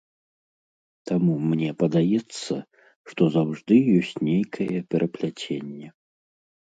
Таму мне падаецца, што заўжды ёсць нейкае перапляценне.